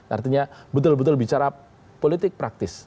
artinya betul betul bicara politik praktis